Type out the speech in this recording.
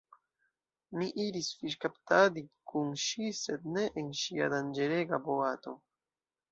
Mi iris fiŝkaptadi kun ŝi sed ne en ŝia danĝerega boato.